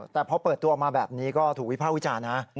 แต่พอเปิดตัวออกมาแบบนี้ก็ถูกวิภาควิจารณ์นะ